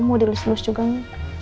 penggal penyakit gitu nanti